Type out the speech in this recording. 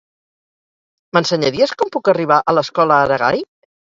M'ensenyaries com puc arribar a l'Escola Aragai?